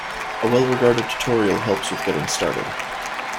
A well-regarded tutorial helps with getting started.